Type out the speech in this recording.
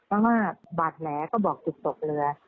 เพราะว่าบาดแผลก็บอกจุดตกเรือ